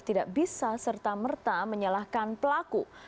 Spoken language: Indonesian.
tidak bisa serta merta menyalahkan pelaku